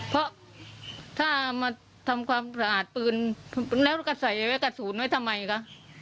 เพราะถ้ามาทำความสะอาดปืนแล้วก็ใส่ไว้กระสุนไว้ทำไมคะ